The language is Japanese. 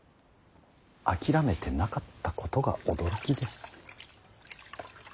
諦めてなかったことが驚きです。